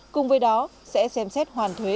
cùng với đó sẽ xem xét hoàn thuế